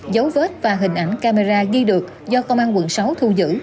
dấu vết và hình ảnh camera ghi được do công an quận sáu thu giữ